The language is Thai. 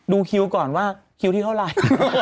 ดูคิวก่อนว่าคิวที่เท่าไหร่